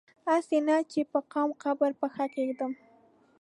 هسي نه چي په کوم قبر پښه کیږدم